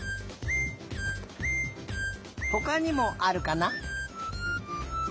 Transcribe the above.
ほかにもあるかな？